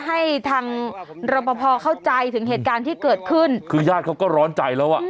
ให้ทางรอปภเข้าใจถึงเหตุการณ์ที่เกิดขึ้นคือญาติเขาก็ร้อนใจแล้วอ่ะ